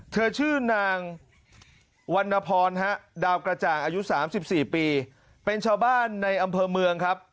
ชื่อนางวันนพรดาวกระจ่างอายุ๓๔ปีเป็นชาวบ้านในอำเภอเมืองครับ